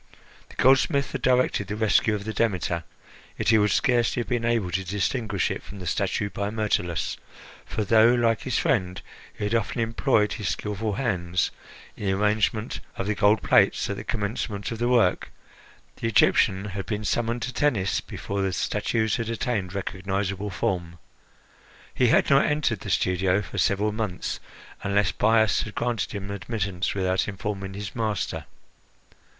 The goldsmith had directed the rescue of the Demeter, yet he would scarcely have been able to distinguish it from the statue by Myrtilus; for though, like his friend, he had often employed his skilful hands in the arrangement of the gold plates at the commencement of the work, the Egyptian had been summoned to Tennis before the statues had attained recognisable form. He had not entered the studios for several months, unless Bias had granted him admittance without informing his master.